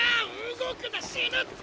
動くな死ぬって！